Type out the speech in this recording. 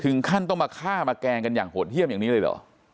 ขั้นต้องมาฆ่ามาแกล้งกันอย่างโหดเยี่ยมอย่างนี้เลยเหรอ